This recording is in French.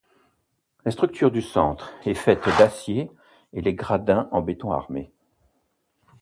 La structure du centre est faite d'acier et les gradins en béton armé.